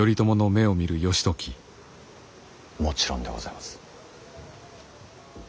もちろんでございます。